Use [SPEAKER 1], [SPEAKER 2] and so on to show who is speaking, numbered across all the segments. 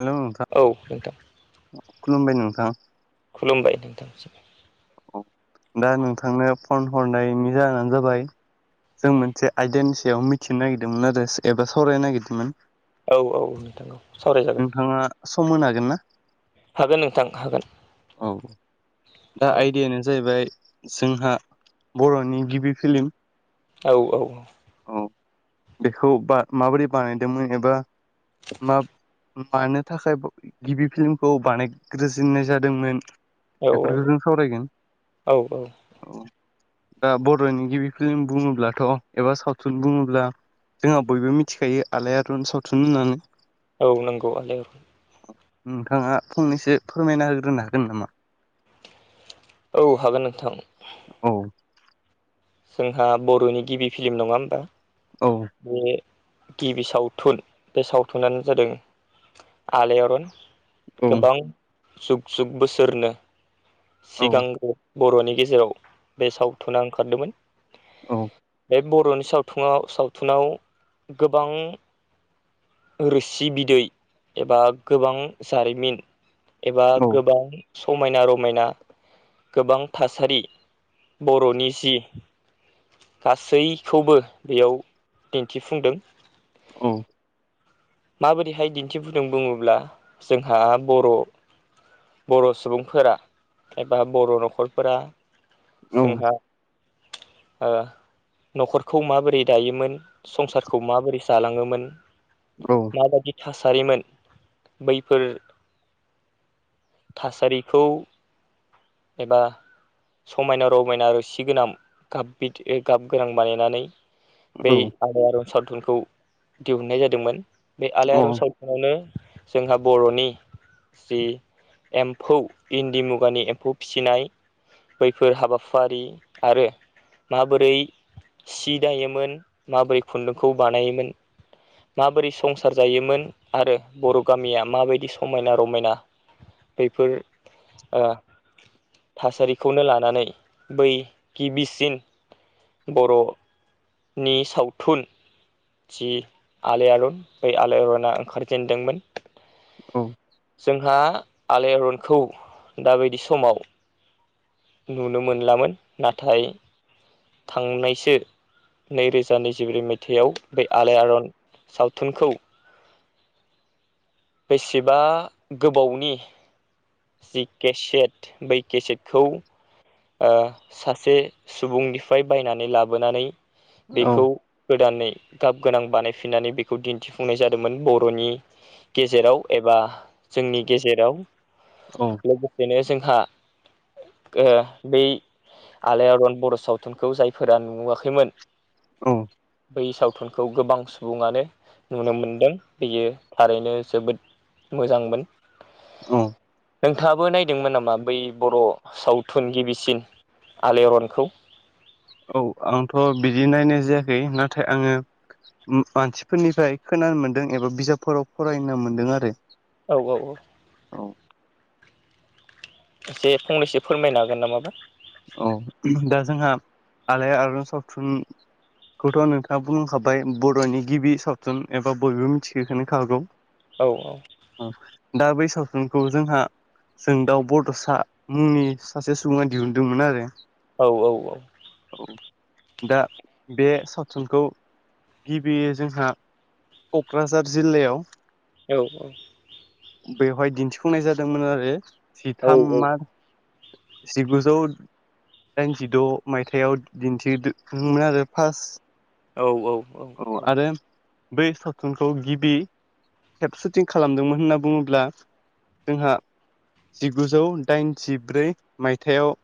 [SPEAKER 1] Hello नों
[SPEAKER 2] औ नोंथां।
[SPEAKER 1] खुलुमबाय नोंथां।
[SPEAKER 2] खुलुमबाय नोंथांसिम।
[SPEAKER 1] दा नोंथांनो फन हरनायनि जाहोनानो जाबाय। जों मोनसे आयदानि सायाव मिथिनो नागिरदोंमोन आरो एबा सावरायनो नागिरदोंमोन।
[SPEAKER 2] औ औ औ नोंथां सावरायजागोन।
[SPEAKER 1] नोंथाङा सम होनो हागोन ना?
[SPEAKER 2] हागोन नोंथां हागोन।
[SPEAKER 1] औ दा
[SPEAKER 2] औ
[SPEAKER 1] आयडायानो जाहैबाय जोंहा बर'नि गिबि फिल्म।
[SPEAKER 2] औ औ।
[SPEAKER 1] औ बेखौ माबोरै बानायदोंमोन एबा मा मानो थाखाय गिबि फिल्मखौ बानायग्रोजोननाय जादोंमोन। बेफोरखो जों
[SPEAKER 2] औ
[SPEAKER 1] सावरायगोन औ दा बरनि गिबि फिल्म बुङोब्लाथ' एबा सावथुन बुङोब्ला जोंहा बयबो मिथिखायो आलायारन सावथुन होननानै।
[SPEAKER 2] औ नंगौ आलायारन।
[SPEAKER 1] नोंथाङा फंनैसो फोरमायना होग्रोनो हागोन नामा?
[SPEAKER 2] औ हागोन नोंथां।
[SPEAKER 1] औ।
[SPEAKER 2] जोंहा बर'नि गिबि फिल्म नङा होनबा?
[SPEAKER 1] औ।
[SPEAKER 2] बे गिबि सावथुन बे सावथुनानो जादों आलायारन
[SPEAKER 1] औ
[SPEAKER 2] गोबां जुग जुग बोसोरनो
[SPEAKER 1] औ
[SPEAKER 2] सिगांग्रो बर'नि गेजेराव बे सावथुना ओंखारदोमोन।
[SPEAKER 1] औ।
[SPEAKER 2] बे बर'नि सावथुङाव सावथुनाव गोबां रोसि बिदै एबा गोबां जारिमिन एबा
[SPEAKER 1] औ
[SPEAKER 2] गोबां समायना रमायना गोबां थासारि बर'नि जि गासैखौबो बेयाव दिन्थिफुंदों।
[SPEAKER 1] औ।
[SPEAKER 2] माबोरैहाय दिन्थिबुदों बुङोब्ला जोंहा बर' बर' सुबुंफोरा एबा बर' न'खरफोरा
[SPEAKER 1] औ
[SPEAKER 2] जोंहा ओ न'खरखौ माबोरै दायोमोन संसारखौ माबोरै जालाङोमोन
[SPEAKER 1] औ।
[SPEAKER 2] माबादि थासारिमोन बैफोर थासारिखौ एबा समायना रमायना रोसि गोनाम गाब बिदि ओ गाब गोनां बानायनानै
[SPEAKER 1] औ
[SPEAKER 2] बै आलायारन सावथुनखौ दिहुननाय जादोंमोन बे
[SPEAKER 1] औ
[SPEAKER 2] आलायारन साव आवनो जोंहा बर'नि जि एम्फौ इन्दि मुगानि एम्फौ फिसिनाय बैफोर हाबाफारि आरो माबोरै सि दायोमोन माबोरै खुन्दुंखौ बानायोमोन माबोरै संसार जायोमोन आरो बर' गामिया माबायदि समायना रमायना बैफोर ओ थासारिखौनो लानानै बै गिबिसिन बर' नि सावथुन जि आलायारन बै आलायारना ओंखारजेनदोंमोन। जोंहा आलायारनखौ दाबादि समाव नुनो मोनलामोन नाथाय थांनायसो नैरोजा नैजिब्रै मायथाइयाव बे आलायारन सावथुनखौ बेसेबा गोबावनि जि केसेट बै केसेटखौ ओ सासे सुबुंनिफ्राय बायनानै लाबोनानै बेखौ गोदानै गाब गोनां बानायफिननानै बेखौ दिन्थिफुंनाय जादोंमोन बर'नि गेजेराव एबा जोंनि गेजेराव।
[SPEAKER 1] औ।
[SPEAKER 2] लोगोसेनो जोंहा बै आलायारन बर' सावथुनखौ जायफोरा नुवाखैमोन
[SPEAKER 1] औ।
[SPEAKER 2] बै सावथुनखौ गोबां सुबुङानो नुनो मोनदों बेयो थारैनो जोबोद मोजांमोन
[SPEAKER 1] औ।
[SPEAKER 2] नोंथाङाबो नायदोंमोन नामा बै बर' सावथुन गिबिसिन आलायारनखौ?
[SPEAKER 1] औ आंथ' बिदि नायनाय जायाखै। नाथाय आङो ओम मानसिफोरनिफ्राय खोनानो मोनदों एबा बिजाबफोराव फरायनो मोनदों आरो।
[SPEAKER 2] औ औ औ।
[SPEAKER 1] औ।
[SPEAKER 2] एसे फंनैसो फोरमायनो हागोन नामाबा?
[SPEAKER 1] औ दा जोंहा आलायारन सावथुन खौथ' नोंथाङा बुंखाबाय बर'नि गिबि सावथुन एबा बयबो मिथिखखो खागौ।
[SPEAKER 2] औ औ।
[SPEAKER 1] दा बै सावथुनखौ जोंहा जों दाउ बड'सा मुंनि सासे सुबुङा दिहुनदोंमोन आरो
[SPEAKER 2] औ औ औ।
[SPEAKER 1] औ। दा बे सावथुनखौ गिबि जोंहा क'क्राझार जिल्लायाव
[SPEAKER 2] औ औ।
[SPEAKER 1] बेवहाय दिन्थिफुंनाय जादोंमोन आरो
[SPEAKER 2] औ
[SPEAKER 1] जिथाम मार्च सिगुजौ दाइनजिद' मायथाइाव दिन्थिमोन आरो फार्स्ट
[SPEAKER 2] औ औ।
[SPEAKER 1] औ आरो बै सावथुनखौ गिबि खेप सुटिं खालामदोंमोन होनना बुङोब्ला जोंहा जिगुजौ दाइनजिब्रै मायथाइयाव।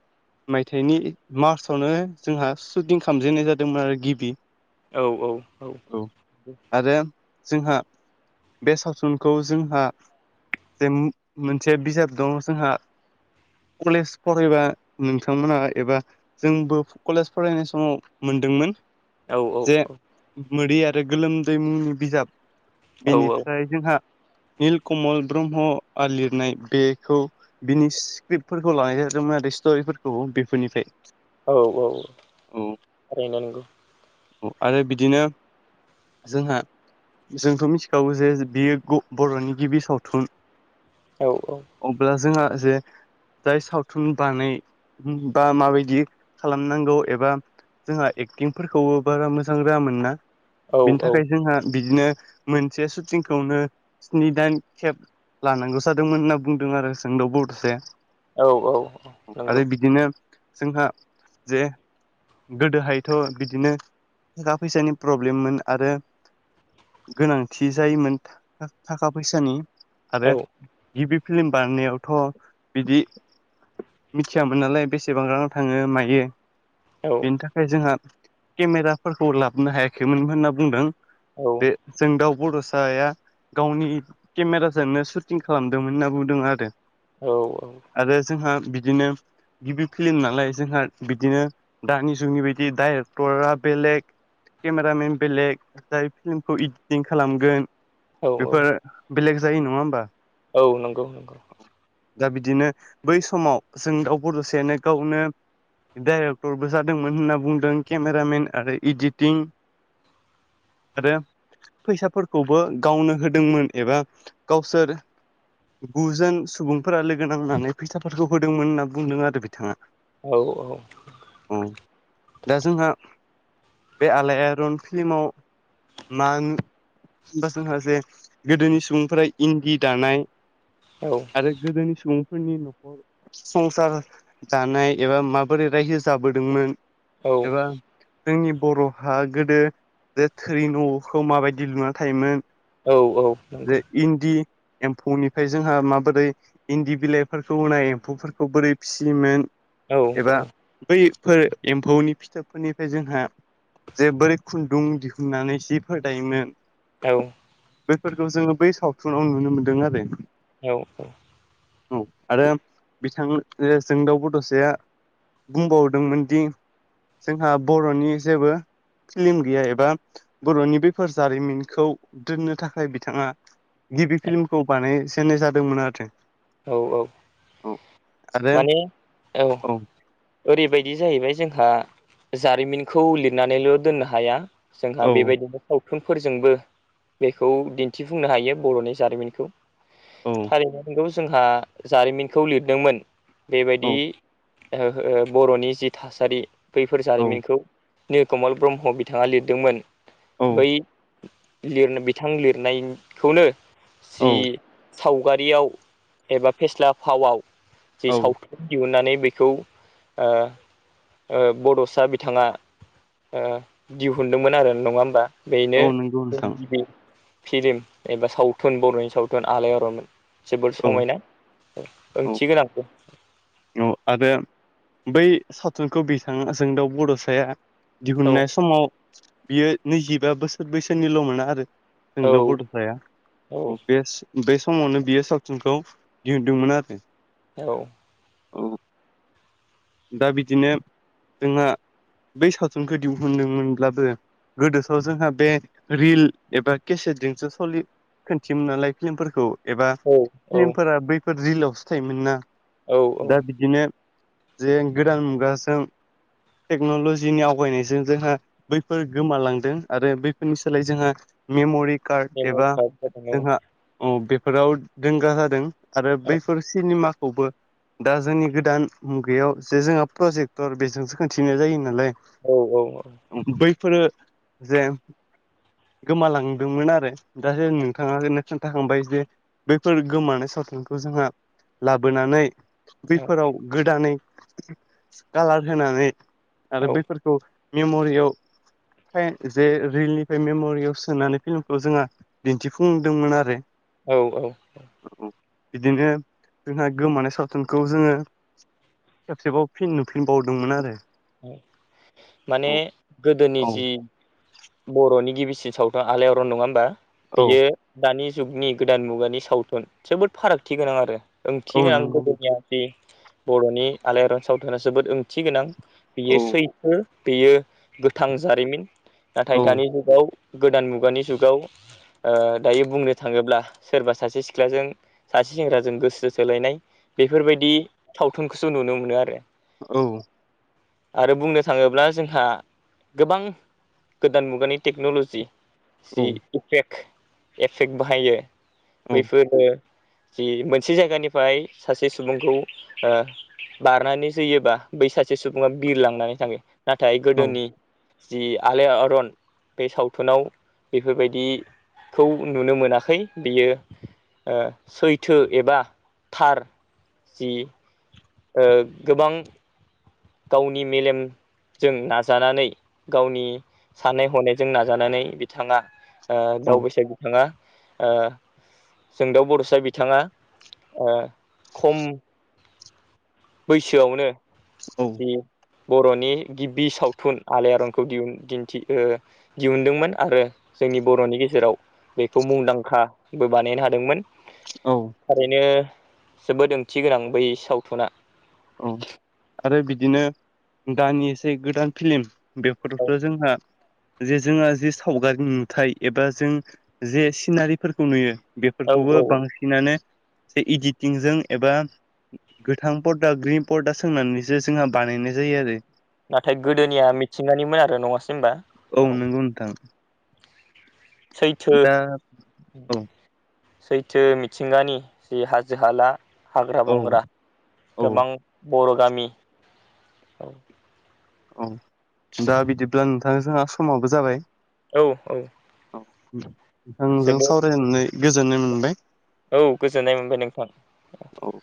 [SPEAKER 1] मायथाइनि मार्चआवनो जोंहा सुटिं खालामामजेननाय जादोंमोन आरो गिबि
[SPEAKER 2] औ औ औ।
[SPEAKER 1] औ आरो जोंहा बे सावथुनखौ जोंहा जे मोनसे बिजाब दं जोंहा कलेज फरायबा नोंथांमोनहा एबा जोंबो कलेज फरायनाय समाव मोनदोंमोन।
[SPEAKER 2] औ औ
[SPEAKER 1] जे
[SPEAKER 2] औ।
[SPEAKER 1] मोदै आरो गोलोमदै मुंनि बिजाब बेनिफ्राय जोंहा निल कमल ब्रह्मआ लिरनाय बेखौ। बिनि स्क्रिप्टफोरखौ लानाय जादोंमोन आरो स्ट'रिफोरखौ बेफोरनिफ्राय।
[SPEAKER 2] औ औ औ
[SPEAKER 1] औ
[SPEAKER 2] नंगौ नंगौ।
[SPEAKER 1] आरो बिदिनो जोंहा जोंथ' मिथिखागौ जे बियो बर'नि गिबि सावथुन
[SPEAKER 2] औ औ।
[SPEAKER 1] अब्ला जोंहा जे जाय सावथुन बानाय बा माबायदि खालामनांगौ एबा जोंहा एक्टिंफोरखौबो बारा मोजां रोङामोन ना बिनि
[SPEAKER 2] औ
[SPEAKER 1] थाखाय जोंहा बिदिनो मोनसे शुटिंखौनो स्नि दान खेब लानांगौ जादोंमोन होनना बुंदों आरो सोंदाव ब'साया
[SPEAKER 2] औ औ नंगौ
[SPEAKER 1] आरो बिदिनो जोंहा जे गोदोहायथ' बिदिनो थाखा फैसानि प्रब्लेममोन आरो गोनांथि जायोमोन थाखा फैसानि आरो
[SPEAKER 2] औ
[SPEAKER 1] गिबि फिल्म बानायनायावथ' बिदि मिथियामोन नालाय बेसेबां रां थाङो मायो।
[SPEAKER 2] औ
[SPEAKER 1] बेनि थाखाय जोंहा केमेराफोरखौ लाबोनो हायाखैमोन होनना बुंदों।
[SPEAKER 2] औ
[SPEAKER 1] बे जोंदाउ बड'साया। गावनि केमेराजोननो सुटिं खालामदोंमोन होनना बुंदों आरो।
[SPEAKER 2] औ औ।
[SPEAKER 1] आरो जोंहा बिदिनो गिबि फिल्म नालाय जोंहा बिदिनो दानि जुगनि बायदि डाइरेक्टरा बेलेग केमेरामेन बेलेग जाय फिल्मखौ इदिटिं खालामगोन
[SPEAKER 2] औ औ
[SPEAKER 1] बेफोर बेलेग जायो नङा होमबा?
[SPEAKER 2] औ नंगौ नंगौ।
[SPEAKER 1] दा बिदिनो बै समाव जोंदाउ बडसायानो गावनो डाइरेक्टरबो जादोंमोन होनना बुंदों केमेरामेन आरो इदिटिं आरो फैसाफोरखौबो गावनो होदोंमोन एबा गावसोर गुजोन सुबुंफोरा लोगो नांनानै फैसाफोरखौ होदोंमोन होनना बुंदों आरो बिथाङा।
[SPEAKER 2] औ औ।
[SPEAKER 1] उ दा जोंहा बे आलायारन फिल्माव मान होनबा जोंहा जे गोदोनि सुबुंफोरा इन्दि दानाय
[SPEAKER 2] औ।
[SPEAKER 1] आरो गोदोनि सुबुंफोरनि न'खर संसार जानाय एबा माबोरै रायजो जाबोदोंमोन
[SPEAKER 2] औ
[SPEAKER 1] एबा जोंनि बर'हा गोदो जे थोरि न'खौ माबायदि लुना थायोमोन
[SPEAKER 2] औ औ नंगौ
[SPEAKER 1] जे इन्दि एम्फौनिफ्राय जोंहा माबोरै इन्दि बिलाइफोरखौ होनाय एम्फौफोरखौ बोरै फिसियोमोन
[SPEAKER 2] औ
[SPEAKER 1] एबा बैफोर एम्फौनि फिथोबफोरनि बे जोंहा जे बोरै खुन्दुं दिहुननानै सिफोर दायोमोन
[SPEAKER 2] औ।
[SPEAKER 1] बेफोरखौ जोङो बै सावथुनाव नुनो मोन्दों आरो।
[SPEAKER 2] औ औ।
[SPEAKER 1] औ आरो बिथां जोंदाउ बडसाया बुंबावदोंमोन दि जोंहा बर'नि जेबो फिल्म गैया एबा बर'नि बेफोर जारिमिनखौ दोननो थाखाय बिथाङा गिबि फिल्मखौ बानाय जेननाय जादोंमोन आरो।
[SPEAKER 2] औ औ।
[SPEAKER 1] औ। आरो
[SPEAKER 2] माने औ। ओरैबायदि जाहैबाय जोंहा जारिमिनखौ लिरनानैल' दोननो हाया जोंहा
[SPEAKER 1] औ
[SPEAKER 2] बेबायदिनो सावथुनफोरजोंबो बेखौ दिन्थिफुंनो हायो बर'नि जारिमिनखौ।
[SPEAKER 1] औ।
[SPEAKER 2] नोंगौ जोंहा जारिमिनखौ लिरदोंमोन बेबायदि
[SPEAKER 1] औ
[SPEAKER 2] ओ ओ बर'नि जि थासारि बैफोर
[SPEAKER 1] औ
[SPEAKER 2] जारिमिनखौ निलकमल ब्रह्म बिथाङा लिरदोंमोन बै
[SPEAKER 1] औ
[SPEAKER 2] लिरनो बिथां लिरनायखौनो जि
[SPEAKER 1] औ
[SPEAKER 2] सावगारियाव एबा फेस्ला फावाव जि
[SPEAKER 1] औ
[SPEAKER 2] सावथुन दिहुन्नानै बेखौ ओ ओ बड'सा बिथाङा ओ दिहुनदोंमोन आरो नङा होमबा? बेनो
[SPEAKER 1] औ नंगौ नोंथां
[SPEAKER 2] गिबि फिल्म एबा सावथुन बर'नि सावथुन आलायारनमोन। जोबोद
[SPEAKER 1] औ
[SPEAKER 2] समायना
[SPEAKER 1] औ
[SPEAKER 2] ओंथि गोनां।
[SPEAKER 1] औ आरो बै सावथुनखौ बिथां जोंदाउ बड'साया
[SPEAKER 2] औ
[SPEAKER 1] दिहुननाय समाव बियो नैजिबा बोसोर बैसोनिल'मोन आरो।
[SPEAKER 2] औ
[SPEAKER 1] जोंदाव बड'साया
[SPEAKER 2] औ
[SPEAKER 1] बेस्ट बे समावनो बियो सावथसिुनखौ दिहुनदोंमोन आरो
[SPEAKER 2] औ।
[SPEAKER 1] औ। दा बिदिनो जोंहा बै सावथुनखौ दिहहुनदोंमोनब्लाबो गोदोथ जोंहा बे रिल एबा केसेटजोंसो सलि खोनन्थियोमोन नालाय फिल्मफोरखौ एबा
[SPEAKER 2] औ औ
[SPEAKER 1] फनेमफोरा बैफोर रिलावसो थायोमोन ना
[SPEAKER 2] औ औ
[SPEAKER 1] दा बिदिनो जे गोदान मुगाजों टेक्न'लजिनि आवगायनायजों जोंहा बैफोर गोमालांदों आरो बैफोरनि सोलाय जोंहा मेम'रि कार्ड
[SPEAKER 2] मेमरि
[SPEAKER 1] एबा
[SPEAKER 2] कार्ड जादों
[SPEAKER 1] जोंहा औ बेफोराव दोंगा जादों आरो बैफोर सिनेमा खौबो दा जोंनि गोदान बेयाव जे जोंहा प्रजेक्टर बेजोंसो खोनन्थिनाय जायो नालाय
[SPEAKER 2] औ औ औ
[SPEAKER 1] बैफोरो जे गोमालांदोंमोन आरो दा ज नोंथाङानो खोन्थाखांबाय जे बेफोर गोमानाय सावथुनखौ जोंहा लाबोनानै बेफोराव गोदानै कालार होनानै आरो
[SPEAKER 2] औ
[SPEAKER 1] बेफोर खौ मेम'रियाव जे रिलनिफ्राय मेम'रियाव सोनानै फिल्मखौ जोंङहा दिन्थिफुंदोंमोन आरो
[SPEAKER 2] औ औ औ
[SPEAKER 1] बिदिनो जोंहा गोमानाय सावथुनखौ जोङो खेबसेबाव फिन नुफिनबावदोंमोन आरो
[SPEAKER 2] माने
[SPEAKER 1] औ
[SPEAKER 2] गोदोनि
[SPEAKER 1] औ
[SPEAKER 2] जि बर'नि गिबिसिन सावथुन आलायारन नङा होमबा
[SPEAKER 1] औ
[SPEAKER 2] बेयो दानि जुगनि गोदान मुगानि सावथुन जोबोद फारागथि गोनां आरो
[SPEAKER 1] औ
[SPEAKER 2] ओंथि गोनां
[SPEAKER 1] नंगौ
[SPEAKER 2] गोदोनिया बर'नि आलायारन सावथुना जोबोद ओंथि गोनां बियो
[SPEAKER 1] औ
[SPEAKER 2] सैथो बेयो गोथां जारिमिन
[SPEAKER 1] औ
[SPEAKER 2] नाथाय दानि जुगाव गोदान मुगानि जुगाव ओ दायो बुंनो थाङोब्ला सोरबा सासे सिख्लाजों सासे सेंग्राजों गोसो सोलायनाय बेफोरबायदि सावथुनखौसो नुनो मोनो आरो
[SPEAKER 1] औ
[SPEAKER 2] आरो बुंनो थाङोब्ला जोंहा गोबां गोदान मुगानि टेक्न'ल'जि जि
[SPEAKER 1] औ
[SPEAKER 2] इफेक्ट एफेक्ट बाहायो
[SPEAKER 1] औ
[SPEAKER 2] बैफोरो जि मोनसे जायगानिफ्राय सासे सुबुंखौ बारनानै जोयोबा बै सासे सुबुङा बिरलांनानै थाङो नाथाय गोदोनि
[SPEAKER 1] औ
[SPEAKER 2] जि आलायारन बे सावथुनाव बेफोरबायदि खौ नुनो मोनाखै बियो सैथो एबा थार जि गोबां गावनि मेलेम जों नाजानानै गावनि साननाय हनायजों नाजानानै बिथाङा ओ दावबायैसाग बिथांङा जोंदाउ बर'सा बिथाङा खम बैसोआवनो
[SPEAKER 1] औ
[SPEAKER 2] बर'नि गिबि सावथुन आलायारनखौ दिहुन दिन्थि दिहुनदोंमोन आरो जोंनि बर'नि गेजेराव बेखौ मुंदांखाबो बानायनो हादोंमोन
[SPEAKER 1] औ
[SPEAKER 2] थारैनो जोबोद ओंथि गोनां बै सावथुना
[SPEAKER 1] औ आरो बिदिनो दानि एसे गोदान फिल्म
[SPEAKER 2] औ
[SPEAKER 1] बेफोबोथ' जोंहा जे जोंहा जे सावगारि नुथाय एबा जों जे सिनारिफोरखौ नुयो
[SPEAKER 2] औ
[SPEAKER 1] बेफोरखौबो
[SPEAKER 2] औ
[SPEAKER 1] बांसिनानो ए इदििटिंजों एबा गोथांफोर ग्रिन बर्डआ सोंनानैसो जोंहा बानायनाय जायो आरो
[SPEAKER 2] नाथाय गोदोनिया मिथिंगानिमोन आरो नङासै होनबा
[SPEAKER 1] औ नोंगौ नोंथां
[SPEAKER 2] सैथो
[SPEAKER 1] दा औ
[SPEAKER 2] सैथो मिथिंगानि जि हाजो हालाऔद हाग्रा
[SPEAKER 1] औ
[SPEAKER 2] बंग्रा
[SPEAKER 1] औ
[SPEAKER 2] गोबां बर' गामि औ
[SPEAKER 1] औ दा बिदिब्ला नोंथांजोंहा समावो जाबाय
[SPEAKER 2] औ औ
[SPEAKER 1] औ नोंजों
[SPEAKER 2] जोबोद
[SPEAKER 1] सावरायनानै गोजोननाय मोनबाय
[SPEAKER 2] औ गोजोननाय मोनबाय नोंथा
[SPEAKER 1] औ